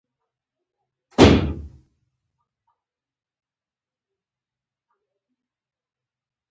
موږ د دې پوښتنې د ځواب لپاره یوې غوره تیورۍ ته اړتیا لرو.